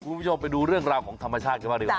คุณผู้ชมไปดูเรื่องราวของธรรมชาติกันบ้างดีกว่า